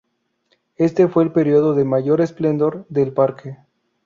Este fue el período de mayor esplendor del parque.